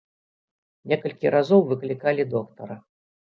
Некалькі разоў выклікалі доктара.